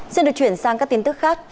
xin được chuyển sang các tin tức khác